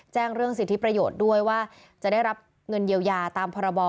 แจ้งเรื่องสิทธิประโยชน์ด้วยว่าจะได้รับเงินเยียวยาตามพรบ